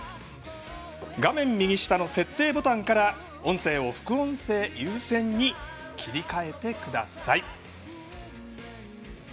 画面右下の設定ボタンから音声を副音声優先に切り替えてください。